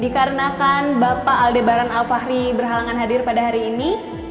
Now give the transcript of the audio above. dikarenakan bapak aldebaran alfahri berhalangan hadir pada hari ini